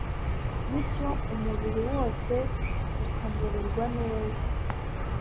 bityo umubiri wose ukamererwa neza.